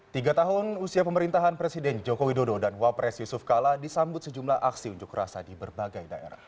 tiga tahun usia pemerintahan presiden joko widodo dan wapres yusuf kala disambut sejumlah aksi unjuk rasa di berbagai daerah